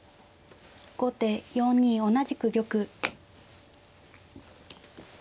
後手４二同じく玉。